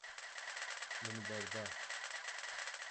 Min berda.